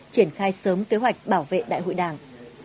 triển khai sớm kế hoạch bảo vệ đại hội đảng